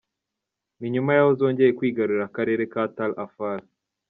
Ni nyuma yaho zongeye kwigarurira akarere ka Tal Afar.